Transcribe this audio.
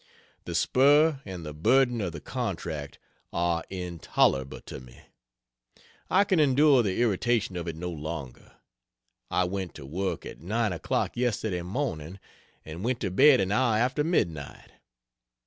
The spur and burden of the contract are intolerable to me. I can endure the irritation of it no longer. I went to work at nine o'clock yesterday morning, and went to bed an hour after midnight.